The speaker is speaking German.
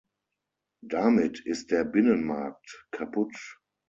Damit ist der Binnenmarkt kaputt.